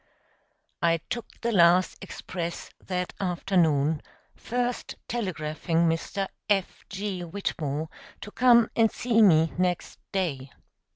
I took the last express that afternoon, first telegraphing Mr. F. G. Whitmore to come and see me next day.